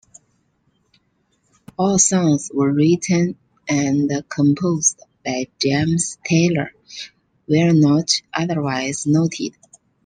All songs were written and composed by James Taylor where not otherwise noted.